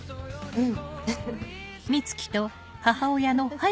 うん。